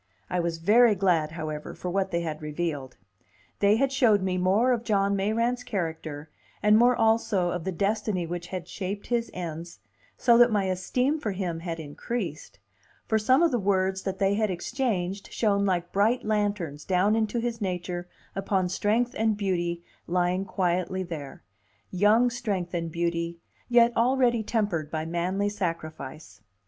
I was very glad, however, for what they had revealed. They had showed me more of John Mayrant's character, and more also of the destiny which had shaped his ends, so that my esteem for him had increased; for some of the words that they had exchanged shone like bright lanterns down into his nature upon strength and beauty lying quietly there young strength and beauty, yet already tempered by manly sacrifice.